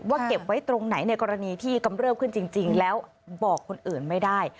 เก็บไว้ตรงไหนในกรณีที่กำเริบขึ้นจริงแล้วบอกคนอื่นไม่ได้